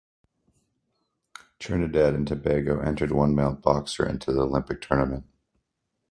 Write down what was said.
Trinidad and Tobago entered one male boxer into the Olympic tournament.